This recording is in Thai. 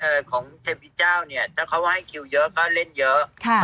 เอ่อของเทพีเจ้าเนี่ยถ้าเขาว่าให้คิวเยอะเขาเล่นเยอะ